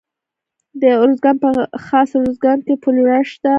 د ارزګان په خاص ارزګان کې فلورایټ شته.